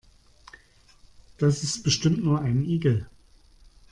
Das ist bestimmt nur ein Igel.